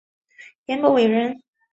颜伯玮人。